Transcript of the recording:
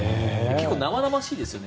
結構生々しいですよね。